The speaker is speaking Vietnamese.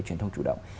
truyền thông chủ động